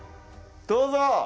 どうぞ！